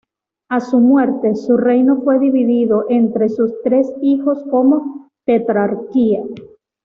A su muerte su reino fue dividido entre sus tres hijos como tetrarquía.